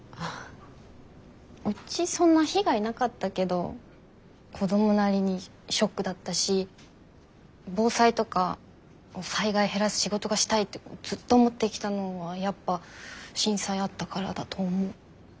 うちそんな被害なかったけど子供なりにショックだったし防災とか災害減らす仕事がしたいってずっと思ってきたのはやっぱ震災あったからだと思う。